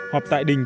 họp tại đình